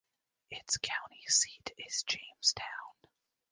Its county seat is Jamestown.